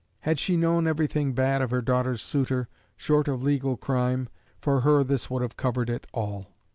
Had she known everything bad of her daughter's suitor, short of legal crime, for her this would have covered it all.